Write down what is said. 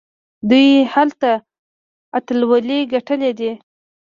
دوی هلته اتلولۍ ګټلي دي.